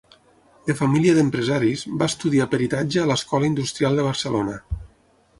De família d'empresaris, va estudiar peritatge a l'Escola Industrial de Barcelona.